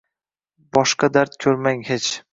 Boshqa dard ko‘rmang hech.